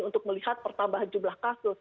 untuk melihat pertambahan jumlah kasus